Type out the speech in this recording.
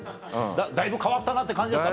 だいぶ変わったなって感じですか？